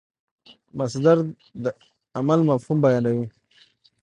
مصدر د عمل مفهوم بیانوي.